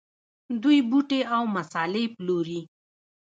دوی بوټي او مسالې پلوري.